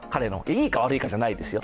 いいか悪いかじゃないですよ。